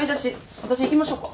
あたし行きましょうか？